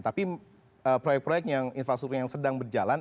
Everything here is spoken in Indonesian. tapi proyek proyek yang infrastruktur yang sedang berjalan